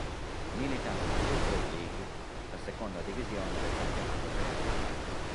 Milita nella Football League, la seconda divisione del campionato greco di calcio.